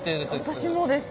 私もです。